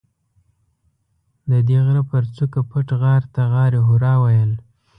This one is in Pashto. ددې غره پر څوکه پټ غار ته غارحرا ویل.